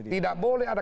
tidak boleh ada